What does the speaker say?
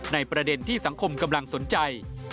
ประเด็นที่สังคมกำลังสนใจ